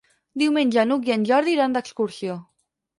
Diumenge n'Hug i en Jordi iran d'excursió.